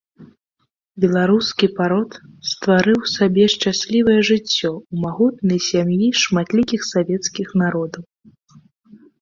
Беларускі парод стварыў сабе шчаслівае жыццё ў магутнай сям'і шматлікіх савецкіх народаў.